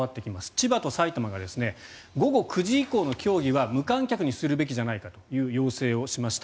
千葉と埼玉が午後９時以降の競技は無観客にするべきじゃないかという要請をしました。